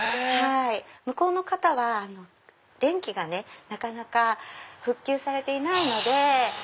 向こうの方は電気がねなかなか普及されていないので。